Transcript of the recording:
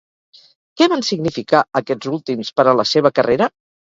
Què van significar, aquests últims, per a la seva carrera?